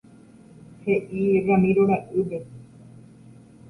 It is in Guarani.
He'i Ramiro ra'ýpe.